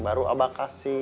baru abah kasih